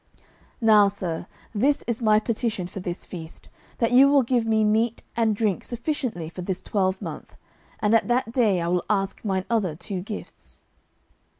"Now, sir, this is my petition for this feast, that you will give me meat and drink sufficiently for this twelve month, and at that day I will ask mine other two gifts."